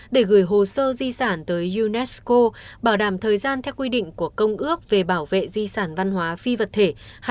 để gửi hồ sơ di sản tới unesco bảo đảm thời gian theo quy định của công ước về bảo vệ di sản văn hóa phi vật thể